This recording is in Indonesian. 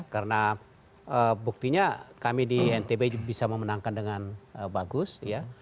karena buktinya kami di ntb bisa memenangkan dengan bagus